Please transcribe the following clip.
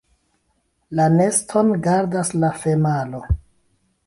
La neston gardas la femalo.